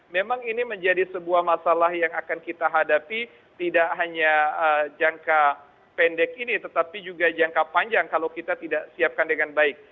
memang ini menjadi sebuah masalah yang akan kita hadapi tidak hanya jangka pendek ini tetapi juga jangka panjang kalau kita tidak siapkan dengan baik